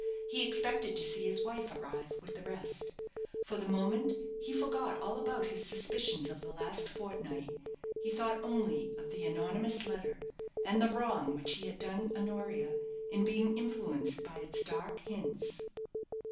He expected to see his wife arrive with the rest. For the moment, he forgot all about his suspicions of the last fortnight. He thought only of the anonymous letter, and the wrong which he had done Honoria in being influenced by its dark hints.